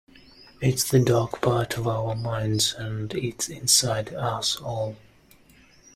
It's the dark part of our minds and it's inside us all.